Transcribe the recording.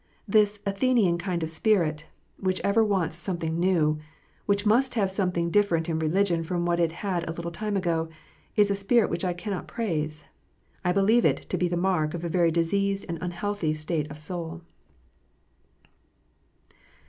This Athenian kind of spirit, which ever wants something new, which must have something different in religion from what it had a little time ago, is a spirit which I cannot praise. I believe it to be the mark of a very diseased and unhealthy state of soul.